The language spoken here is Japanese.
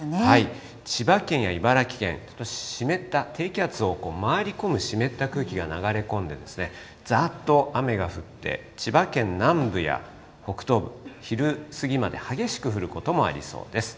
千葉県や茨城県、湿った低気圧を回り込む湿った空気が流れ込んでざーっと雨が降って、千葉県南部や北東部、昼過ぎまで激しく降ることもありそうです。